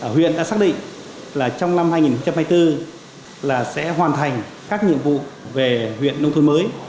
huyện đã xác định trong năm hai nghìn hai mươi bốn sẽ hoàn thành các nhiệm vụ về huyện nông thuận mới